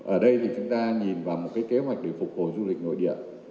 ở đây thì chúng ta nhìn vào một cái kế hoạch để phục hồi du lịch nội địa